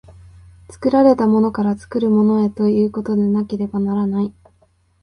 作られたものから作るものへということでなければならない。